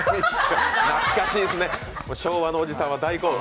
懐かしいっすね、昭和のおじさんは大興奮。